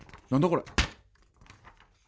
これ。